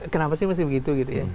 kenapa sih masih begitu